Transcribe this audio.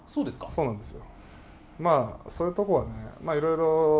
そうなんですよ。